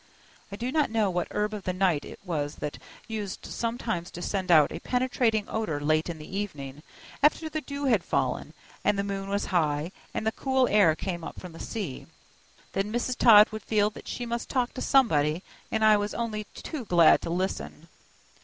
I do not know what herb of the night it was that used sometimes to send out a penetrating odor late in the evening, after the dew had fallen, and the moon was high, and the cool air came up from the sea. Then Mrs. Todd would feel that she must talk to somebody, and I was only too glad to listen.